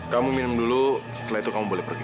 kamu minum dulu setelah itu kamu boleh pergi